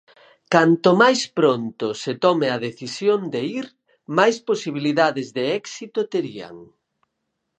Canto máis pronto se tome a decisión de ir máis posibilidades de éxito terían.